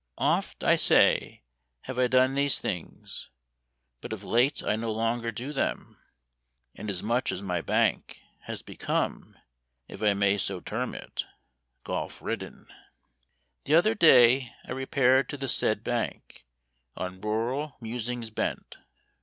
Oft, I say, have I done these things; But of late I no longer do them, Inasmuch as my bank Has become (if I may so term it) Golf ridden. The other day I repaired to the said bank On rural musings bent.